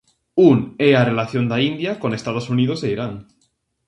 Un é a relación da India con Estados Unidos e Irán.